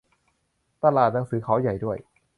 ตลาดหนังสือเขาใหญ่ด้วย